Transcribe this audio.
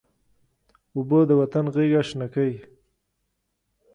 اوبه د وطن غیږه شنه کوي.